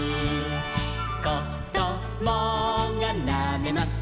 「こどもがなめます